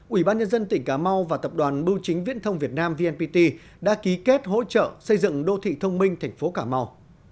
ủy ban nhân dân tỉnh cà mau và tập đoàn bưu chính viễn thông việt nam vnpt đã ký kết hỗ trợ xây dựng đô thị thông minh thành phố cà mau